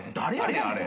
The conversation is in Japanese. あれ。